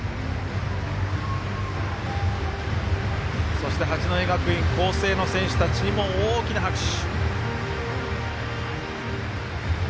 そして八戸学院光星の選手たちにも大きな拍手。